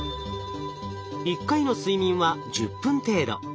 一回の睡眠は１０分程度。